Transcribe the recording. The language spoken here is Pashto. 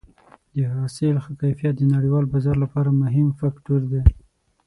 د حاصل ښه کیفیت د نړیوال بازار لپاره مهم فاکتور دی.